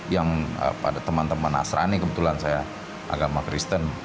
yang pada teman teman nasrani kebetulan saya agama kristen